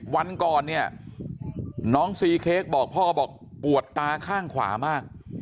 วันก่อนเนี่ยน้องซีเค้กบอกพ่อบอกปวดตาข้างขวามาก